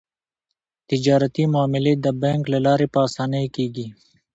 تجارتي معاملې د بانک له لارې په اسانۍ کیږي.